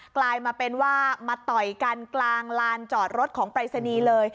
กลายมาเป็นว่ามาต่อยกันกลางลานจอดรถของปรายศนีย์เลย